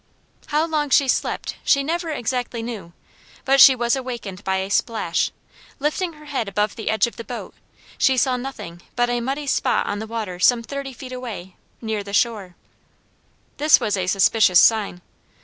How long she slept she never exactly knew, but she was awakened by a splash; lifting her head above the edge of the boat, she saw nothing but a muddy spot on the water some thirty feet away, near the shore. This was a suspicious sign.